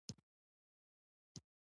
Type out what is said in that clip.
خان زمان: بیچاره، ډېر دې خفه کړم.